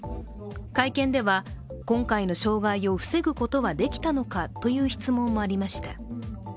会見では、今回の障害を防ぐことはできたのかという質問もありました。